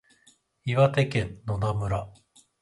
岩手県野田村